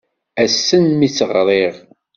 Ass-n mi tt-ɣriɣ.